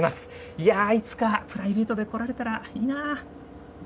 いやー、いつかプライベートで来られたらいいなぁ。